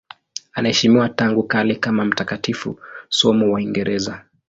Anaheshimiwa tangu kale kama mtakatifu, somo wa Uingereza.